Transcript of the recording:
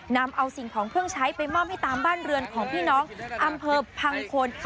นำเอาสิ่งของเครื่องใช้ไปมอบให้ตามบ้านเรือนของพี่น้องอำเภอพังคน